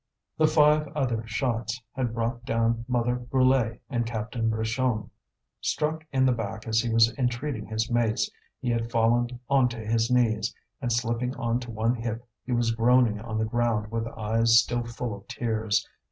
The five other shots had brought down Mother Brulé and Captain Richomme. Struck in the back as he was entreating his mates, he had fallen on to his knees, and slipping on to one hip he was groaning on the ground with eyes still full of tears.